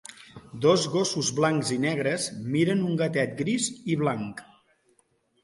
Dos gossos blancs i negres miren un gatet gris i blanc.